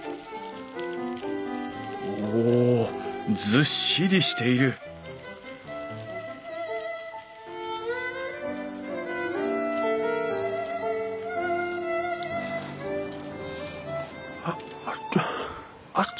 ずっしりしているあ熱っ。